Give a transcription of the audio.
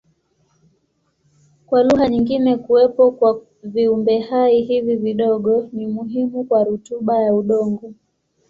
Kwa lugha nyingine kuwepo kwa viumbehai hivi vidogo ni muhimu kwa rutuba ya udongo.